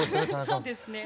そうですね。